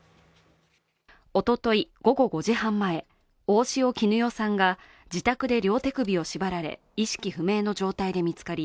おととい午後５時半前、大塩衣与さんが自宅で両手首を縛られ、意識不明の状態で見つかり